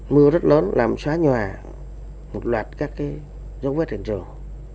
mưa rất lớn làm xóa nhòa một loạt các dấu vết hiện trường